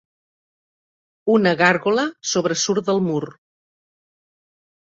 Una gàrgola sobresurt del mur.